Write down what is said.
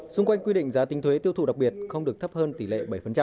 xung quanh quy định giá tính thuế tiêu thụ đặc biệt không được thấp hơn tỷ lệ bảy